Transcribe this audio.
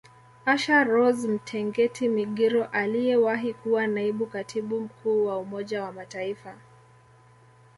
Asha Rose Mtengeti Migiro aliyewahi kuwa Naibu Katibu Mkuu wa Umoja wa Mataifa